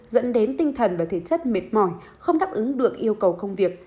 dẫn đến tinh thần và thể chất mệt mỏi không đáp ứng được yêu cầu công việc